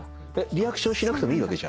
リアクションしなくてもいいわけ？